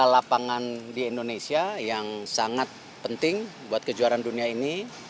lapangan di indonesia yang sangat penting buat kejuaraan dunia ini